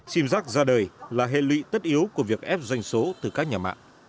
sim giác ra đời là hệ lụy tất yếu của việc ép doanh số từ các nhà mạng